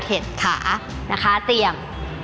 การลดเห็ดขานะคะเตรียม๕๖๗๘๑๒๓๔๕๖๗๘